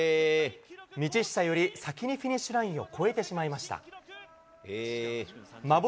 道下より先にフィニッシュラインを越えてしまいました。